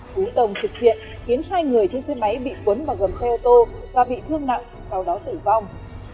cú tông trực diện khiến hai người trên xe máy bị cuốn vào gầm xe ô tô và bị thương nặng sau đó tử vong